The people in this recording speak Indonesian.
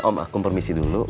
om akkum permisi dulu